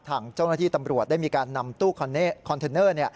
ทางเจ้าหน้าที่ตำรวจได้มีการนำตู้คอนเทนเนอร์